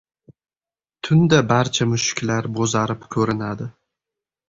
• Tunda barcha mushuklar bo‘zarib ko‘rinadi.